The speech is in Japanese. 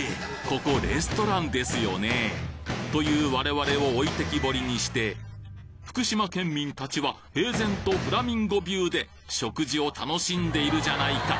ここレストランですよね？という我々を置いてきぼりにして福島県民達は平然とフラミンゴビューで食事を楽しんでいるじゃないか！